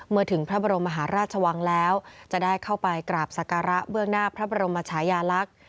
ถึงพระบรมมหาราชวังแล้วจะได้เข้าไปกราบสการะเบื้องหน้าพระบรมชายาลักษณ์